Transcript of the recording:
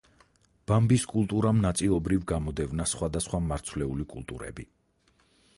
ბამბის კულტურამ ნაწილობრივ გამოდევნა სხვადასხვა მარცვლეული კულტურები.